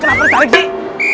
kenapa tertarik sih